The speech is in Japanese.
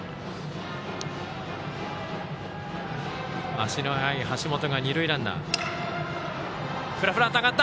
足の速い橋本が二塁ランナー。